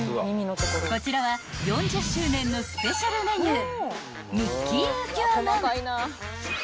［こちらは４０周年のスペシャルメニュー］